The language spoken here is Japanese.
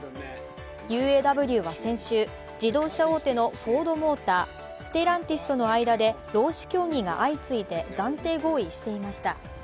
ＵＡＷは先週、自動車大手のフォード・モーターステランティスとの間で労使協議が相次いで暫定合意していました。